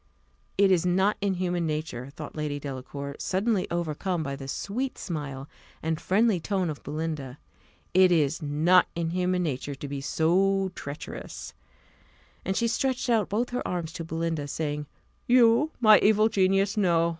It is not in human nature, thought Lady Delacour, suddenly overcome by the sweet smile and friendly tone of Belinda, it is not in human nature to be so treacherous; and she stretched out both her arms to Belinda, saying, "You my evil genius? No.